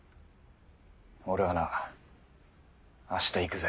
俺はな明日行くぜ。